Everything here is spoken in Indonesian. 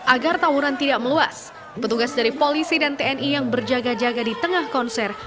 agar tawuran tidak meluas petugas dari polisi dan tni yang berjaga jaga di tengah konser